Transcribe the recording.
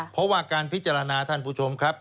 เพราะว่าการพิจารณาท่านผู้ชมครับ